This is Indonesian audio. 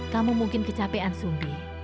kamu mungkin kecapean sumbi